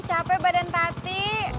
capek badan tadi